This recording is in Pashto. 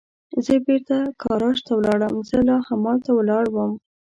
زه بېرته ګاراج ته ولاړم، زه لا همالته ولاړ ووم.